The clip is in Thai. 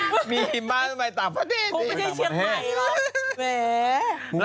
แต่ไม่ใช่สี่ยังไหมหรอ